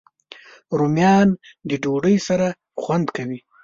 رومیان د ډوډۍ سره خوند کوي